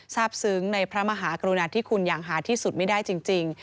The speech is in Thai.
ทราบซึ้งในพระมหากรุณาธิคุณอย่างหาที่สุดไม่ได้จริง